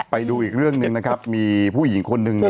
ไปดูอีกเรื่องหนึ่งนะครับมีผู้หญิงคนหนึ่ง